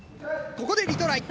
ここでリトライ。